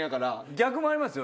逆もありますよ